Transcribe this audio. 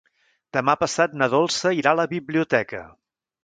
Demà passat na Dolça irà a la biblioteca.